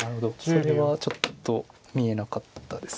それはちょっと見えなかったです。